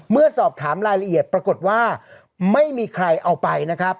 เมื่อสอบถามรายละเอียดปรากฏว่าไม่มีใครเอาไปนะครับ